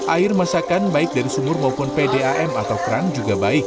air masakan baik dari sumur maupun pdam atau kran juga baik